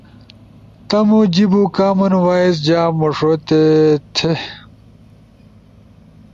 تمو جیبو کامن وایئس جا موݜو تھے تے۔